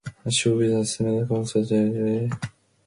A show with a similar concept called How's Life?